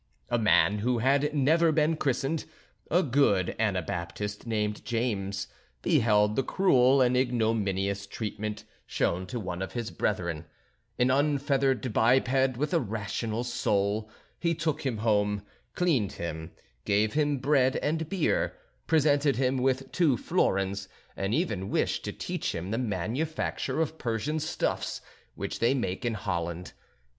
A man who had never been christened, a good Anabaptist, named James, beheld the cruel and ignominious treatment shown to one of his brethren, an unfeathered biped with a rational soul, he took him home, cleaned him, gave him bread and beer, presented him with two florins, and even wished to teach him the manufacture of Persian stuffs which they make in Holland.